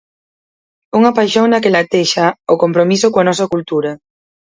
Unha paixón na que latexa o compromiso coa nosa cultura.